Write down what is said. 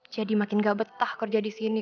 jadi makin nggak betah kerja di sini